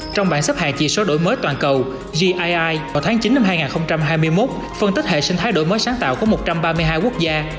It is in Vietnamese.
trong bản xếp hạng chỉ số đổi mới toàn cầu gi vào tháng chín năm hai nghìn hai mươi một phân tích hệ sinh thái đổi mới sáng tạo của một trăm ba mươi hai quốc gia